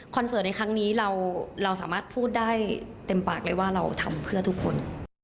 เสิร์ตในครั้งนี้เราสามารถพูดได้เต็มปากเลยว่าเราทำเพื่อทุกคน